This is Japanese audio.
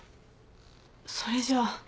それじゃあ。